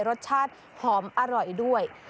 รสชาติหอมอร่อยด้วย